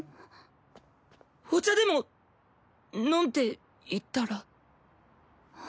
お茶でも飲んでいったら。